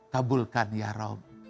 kabulkan ya rabbi